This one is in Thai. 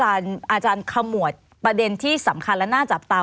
อาจารย์ขมวดประเด็นที่สำคัญและน่าจับตา